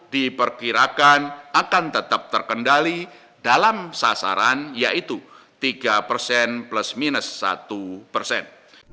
dua ribu dua puluh satu diperkirakan akan tetap terkendali dalam sasaran yaitu tiga persen plus minus satu persen